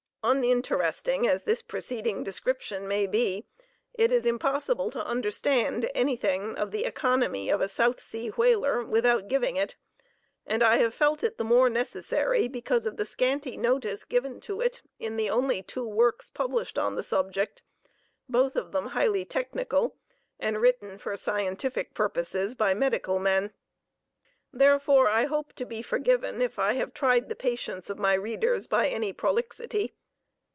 Uninteresting as the preceding description may be, it is impossible to understand anything of the economy of a south sea whaler without giving it, and I have felt it the more necessary because of the scanty notice given to it in the only two works published on the subject, both of them highly technical, and written for scientific purposes by medical men. Therefore I hope to be forgiven if I have tried the patience of my readers by any prolixity.